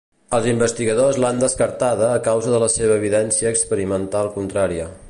Els investigadors l'han descartada a causa de la seva evidència experimental contrària.